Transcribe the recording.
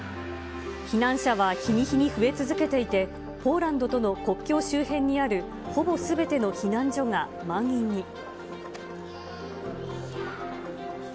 避難者は日に日に増え続けていて、ポーランドとの国境周辺にあるほぼすべての避難所が満員に。